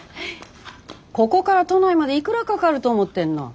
ここから都内までいくらかかると思ってんの？